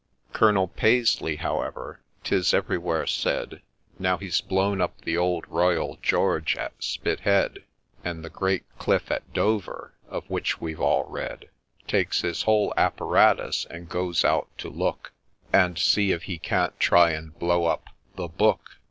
Colonel Pasley, however, 'tis everywhere said, Now he 's blown up the old Royal George at Spithead, And the great cliff at Dover, of which we've all read, Takes his whole apparatus, and goes out to look And see if he can't try and blow up ' the Book.'